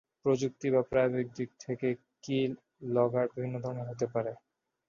প্রযুক্তি বা প্রায়োগিক দিক থেকে কী-লগার বিভিন্ন ধরনের হতে পারে।